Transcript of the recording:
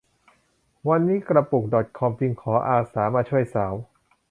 วันนี้กระปุกดอทคอมจึงขออาสามาช่วยสาว